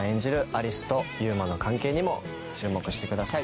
有栖と祐馬の関係にも注目してください